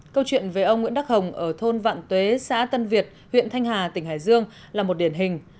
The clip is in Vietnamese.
câu chuyện về ông nguyễn đắc hồng ở thôn vạn tuế xã tân việt huyện thanh hà tỉnh hải dương là một điển hình